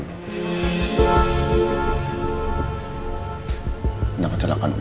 untuk yang terjadi di masa lalu dulu